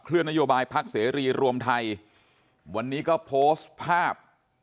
เคลื่อนนโยบายภาคเสรีรวมไทยวันนี้ก็โพสต์ภาพ